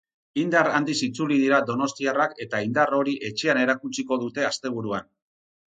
Indar handiz itzuli dira donostiarrak eta indar hori etxean erakutsiko dute asteburuan.